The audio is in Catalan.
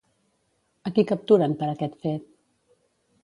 A qui capturen per aquest fet?